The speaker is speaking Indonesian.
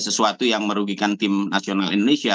sesuatu yang merugikan tim nasional indonesia